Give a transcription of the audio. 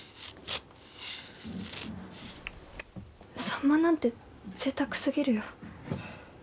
サンマなんてぜいたくすぎるよ。